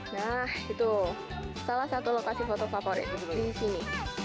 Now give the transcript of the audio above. nah itu salah satu lokasi foto favorit di sini